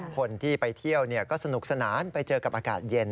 คนที่ไปเที่ยวก็สนุกสนานไปเจอกับอากาศเย็น